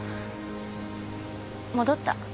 戻った。